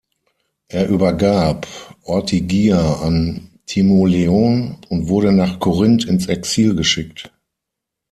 Er übergab Ortygia an Timoleon und wurde nach Korinth ins Exil geschickt.